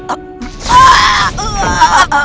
kamu berkeliaran dengan menyerupai aku